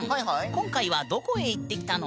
今回はどこへ行ってきたの？